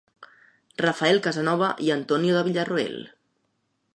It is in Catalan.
Rafael Casanova i Antonio de Villarroel.